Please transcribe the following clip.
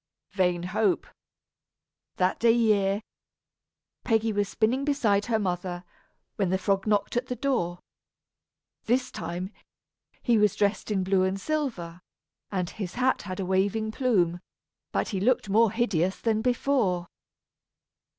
Vain hope! That day year, Peggy was spinning beside her mother, when the frog knocked at the door. This time, he was dressed in blue and silver, and his hat had a waving plume; but he looked more hideous than before.